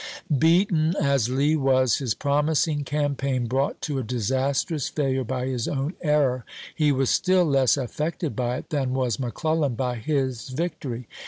Beaten as Lee was, his promising campaign brouglit to a disastrous failure by his own error, he was still less affected by it than was McClellan by his victory.